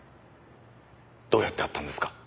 どうやって会ったんですか？